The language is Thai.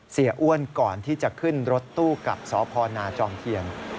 เสียอ้วนก่อนที่จะขึ้นรถตู้กับสพนาจอมเทียน